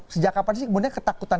sejak kapan sih kemudian ketakutan